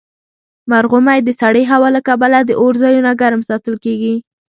مرغومی د سړې هوا له کبله د اور ځایونه ګرم ساتل کیږي.